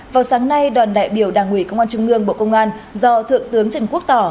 vào sáng nay đoàn đại biểu đảng ủy công an trung ương bộ công an do thượng tướng trần quốc tỏ